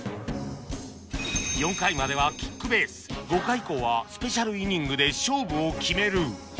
４回まではキックベース５回以降はスペシャルイニングで勝負を決める